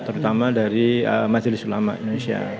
terutama dari majelis ulama indonesia